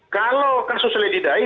kalau kasus lady dai